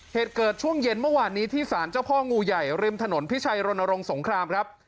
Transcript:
เหตุเกิดช่วงเย็นเมื่อวานนี้ที่สารเจ้าพ่องูใหญ่ริมถนนพิชัยรณรงค์สงครามครับ